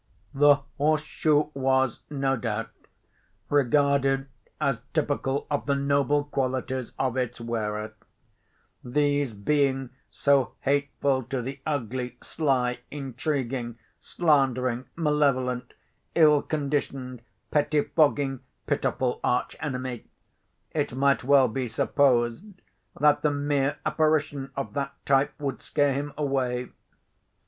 "The horse shoe was, no doubt, regarded as typical of the noble qualities of its wearer. These being so hateful to the ugly, sly, intriguing, slandering, malevolent, ill conditioned, pettifogging, pitiful arch enemy, it might well be supposed that the mere apparition of that type would scare him away.